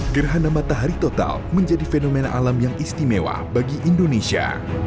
gerhana matahari total menjadi fenomena alam yang istimewa bagi indonesia